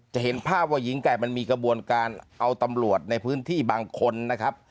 เห็นภาพว่าหญิงไก่มันมีกระบวนการเอาตำรวจในพื้นที่บางคนนะครับ